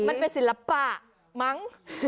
มันเป็นศิลปะมั้ง